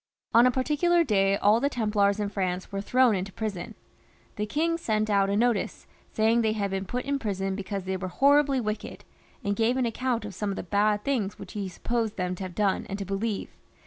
On a particular day all the Templars in Eraaice were thrown into prison. The king sent out a notice, sajring tiiey had 138 PHILIP IV, {LE BEL), [CH. been put in prison because they were horribly wicked, and gave an account of some of the bad things which he supposed them to have done and to believe.